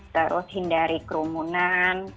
terus hindari kerumunan